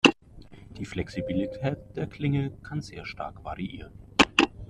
Die Flexibilität der Klinge kann sehr stark variieren.